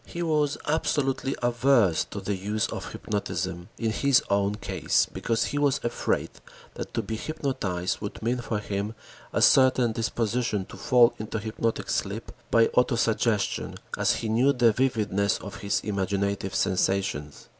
He was absolutely averse to the use of hypnotism in his own case because he was afraid that to be hypnotized would mean for him a certain disposition to fall into hypnotic sleep by auto suggestion, as he knew the vividness of his imaginative sensations.